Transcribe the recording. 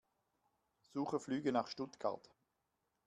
Suche Flüge nach Stuttgart.